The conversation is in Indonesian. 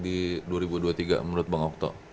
di dua ribu dua puluh tiga menurut bang okto